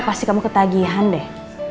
pasti kamu ketagihan deh